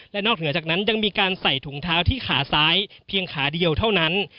และนอกเหนือจากนั้นยังมีการใส่ถุงเท้าที่ขาซ้ายเพียงขาเดียวเท่านั้น